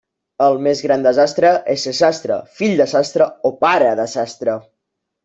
El més gran desastre és ser sastre, fill de sastre o pare de sastre.